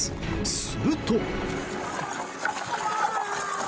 すると。